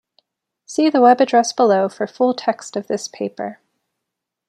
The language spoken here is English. See the web address below for full text of this paper.